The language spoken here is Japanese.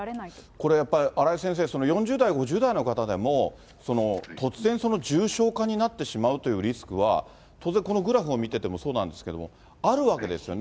これやっぱり、荒井先生、４０代、５０代の方でも、突然重症化になってしまうというリスクは、当然、このグラフを見ててもそうなんですけども、あるわけですよね。